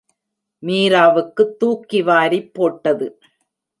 மீராவுக்குத் தூக்கிவாரிப் போட்டது.